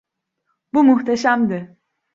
Bu muhteşemdi!